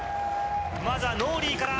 まずはノーリーから。